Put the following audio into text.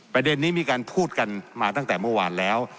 ประเด็นนี้มีการพูดกันมาตั้งแต่เมื่อวานแล้ว